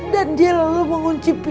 dan dia lalu mengunci pintu